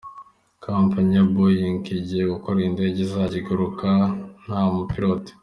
Kompanyi ya Boeing igiye gukora indege izajya iguruka nta mupilote.